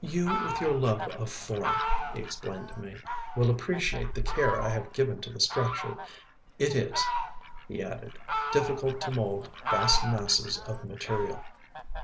"You with your love of form," he explained to me, "will appreciate the care I have given to the structure. It is," he added, "difficult to mould vast masses of material."